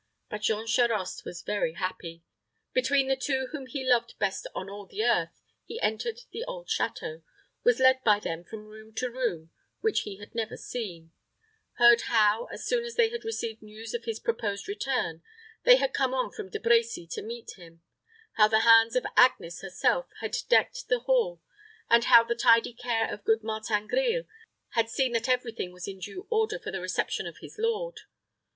But Jean Charost was very happy. Between the two whom he loved best on all the earth, he entered the old château; was led by them from room to room which he had never seen; heard how, as soon as they had received news of his proposed return, they had come on from De Brecy to meet him; how the hands of Agnes herself had decked the hall; and how the tidy care of good Martin Grille had seen that every thing was in due order for the reception of his lord.